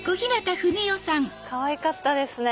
かわいかったですね。